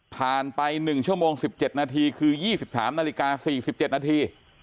ไป๑ชั่วโมง๑๗นาทีคือ๒๓นาฬิกา๔๗นาที